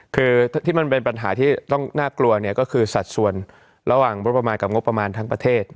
คือที่มันเป็นปัญหาที่ต้องน่ากลัวเนี่ยก็คือสัดส่วนระหว่างงบประมาณกับงบประมาณทั้งประเทศ